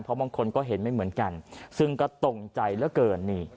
เพราะบางคนก็เห็นไม่เหมือนกันซึ่งกกะต่งใจแล้วเกิน